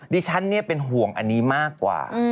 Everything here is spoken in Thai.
ดิฉันเป็นห่วงอันนี้มากกว่า